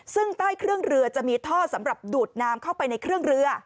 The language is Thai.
ซึ่งใต้เครื่องเรือจะมีท่อสำหรับดูดน้ำเข้าไปในเครื่องเรือ